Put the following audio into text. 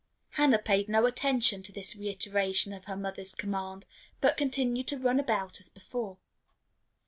Hannah paid no attention to this reiteration of her mother's command, but continued to run about as before.